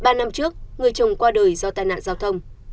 ba năm trước người chồng qua đời do tai nạn giao thông